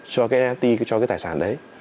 cho cái nft cho cái tài sản đấy